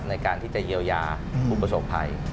ในการที่จะเยียวยาผู้ประสบภัย